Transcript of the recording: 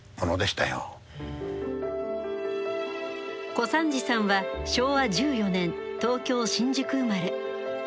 小三治さんは昭和１４年東京・新宿生まれ。